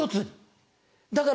だから